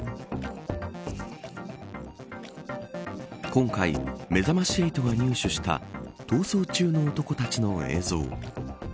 今回、めざまし８が入手した逃走中の男たちの映像。